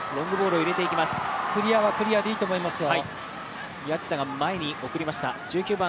クリアはクリアでいいと思いますよ。